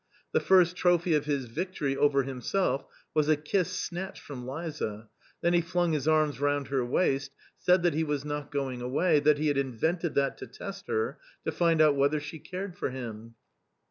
The first trophy of his victory over himself was a kiss snatched from Liza, then he flung his arms round her waist, said that he was not going away, that he had invented that to test her, to find out whether she cared for him.